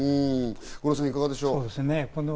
五郎さん、いかがでしょう？